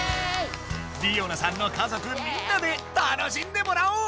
りおなさんの家族みんなで楽しんでもらおう！